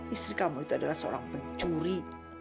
istri kamu itu adalah seorang pencuri